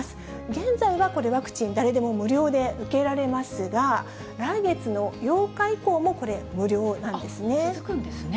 現在はこれ、ワクチン、誰でも無料で受けられますが、来月の８日続くんですね。